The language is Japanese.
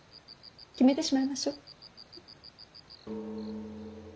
決めてしまいましょう。